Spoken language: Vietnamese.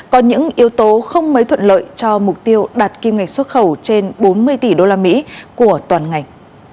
có những yếu tố không mấy thuận lợi cho mục tiêu đạt kim ngạch xuất khẩu trên bốn mươi tỷ usd của toàn ngành